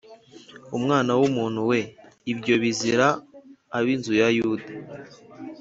Umwana w’umuntu we ibyo bizira ab’inzu ya Yuda